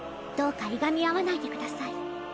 どうかいがみ合わないでください。